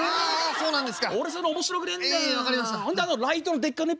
「そうなんですね」。